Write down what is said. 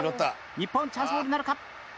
日本チャンスボールになるか？